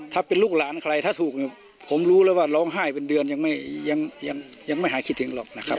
ถ้าเป็นลูกหลานใครถ้าถูกเนี่ยผมรู้แล้วว่าร้องไห้เป็นเดือนยังไม่หายคิดถึงหรอกนะครับ